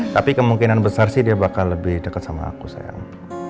tapi kemungkinan besar sih dia bakal lebih dekat sama aku sayang